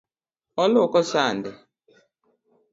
Oluoko sande.